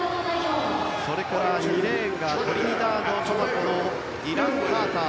それから２レーンがトリニダード・トバゴのディラン・カーター。